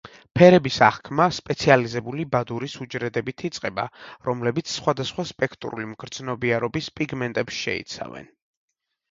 ფერების აღქმა სპეციალიზებული ბადურის უჯრედებით იწყება, რომლებიც სხვადასხვა სპექტრული მგრძნობიარობის პიგმენტებს შეიცავენ.